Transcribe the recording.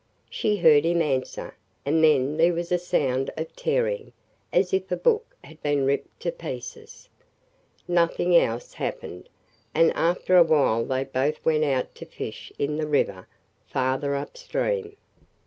She heard him answer, and then there was a sound of tearing, as if a book had been ripped to pieces. Nothing else happened, and after a while they both went out to fish in the river farther upstream.